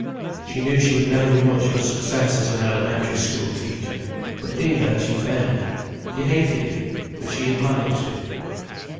She knew she would never be much of a success as an elementary school teacher. But neither had she failed. She hated it, but she had managed it.